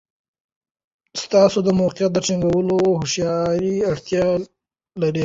ستاسو د موقف ټینګول د هوښیارۍ اړتیا لري.